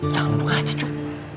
jangan menunggu aja cup